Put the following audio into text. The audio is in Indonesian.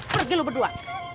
pergi lu berdua